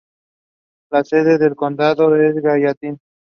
La sede del condado es Gallatin.